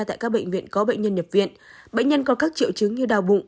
tại các bệnh viện có bệnh nhân nhập viện bệnh nhân có các triệu chứng như đau bụng